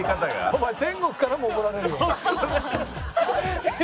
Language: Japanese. お前天国からも怒られるよ。